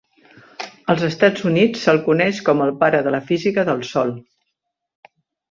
Als Estats Units se'l coneix com el pare de la física del sòl.